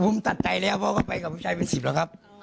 ผมตัดใจแล้วเพราะว่าไปกับผู้ชายเป็น๑๐แล้วครับ